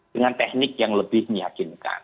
dengan teknik yang lebih meyakinkan